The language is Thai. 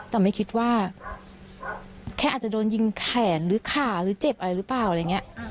แต่ไม่คิดว่าแค่อาจจะโดนยิงแขนหรือขาหรือเจ็บอะไรหรือเปล่าอะไรอย่างนี้